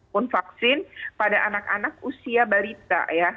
pun vaksin pada anak anak usia balita ya